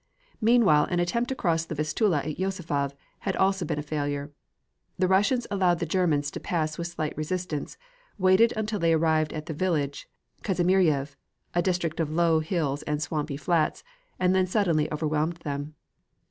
Meanwhile an attempt to cross the Vistula at Josefov had also been a failure. The Russians allowed the Germans to pass with slight resistance, waited until they arrived at the village Kazimirjev, a district of low hills and swampy flats, and then suddenly overwhelmed them.